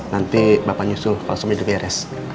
nanti bapak nyusul kalau semuanya udah beres